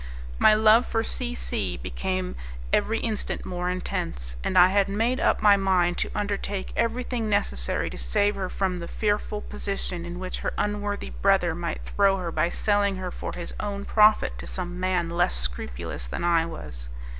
My love for C C became every instant more intense, and I had made up my mind to undertake everything necessary to save her from the fearful position in which her unworthy brother might throw her by selling her for his own profit to some man less scrupulous than I was.